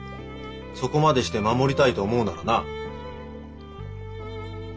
そこまでして守りたいと思うならな。